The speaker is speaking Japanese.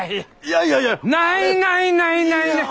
ないないないないない。